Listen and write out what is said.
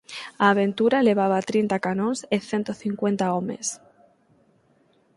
A Aventura levaba trinta canóns e cento cincuenta homes.